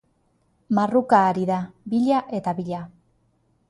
Marruka ari da, bila eta bila.